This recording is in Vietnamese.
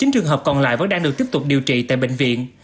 chín trường hợp còn lại vẫn đang được tiếp nhận